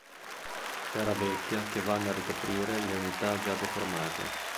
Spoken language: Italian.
Terravecchia che vanno a ricoprire le unità già deformate.